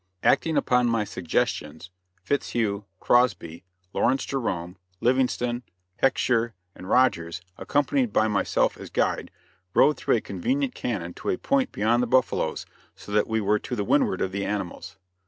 Acting upon my suggestions, Fitzhugh, Crosby, Lawrence Jerome, Livingston, Hecksher and Rogers, accompanied by myself as guide, rode through a convenient cañon to a point beyond the buffaloes, so that we were to the windward of the animals.